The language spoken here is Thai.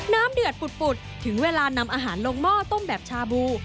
เดือดปุดถึงเวลานำอาหารลงหม้อต้มแบบชาบู